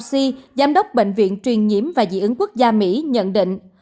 biến sĩ anthony fauci giám đốc bệnh viện truyền nhiễm và dị ứng quốc gia mỹ nhận định